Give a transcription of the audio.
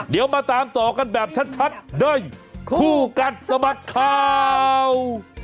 เดี๋ยวมาตามต่อกันแบบชัดด้วยคู่กัดสะบัดข่าว